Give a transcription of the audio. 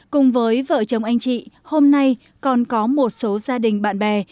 cùng với vợ chồng anh chị hôm nay còn có một số gia đình bạn bè